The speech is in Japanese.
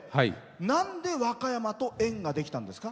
なんで和歌山と縁ができたんですか。